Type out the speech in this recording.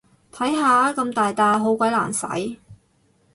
睇下，咁大撻好鬼難洗